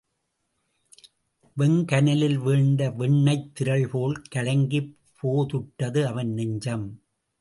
வெங்கனலில் வீழ்ந்த வெண்ணெய்த் திரள்போலக் கலங்கிப் பேதுற்றது அவன் நெஞ்சம்.